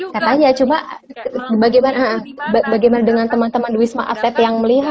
katanya cuma bagaimana dengan teman teman duisma afet yang melihat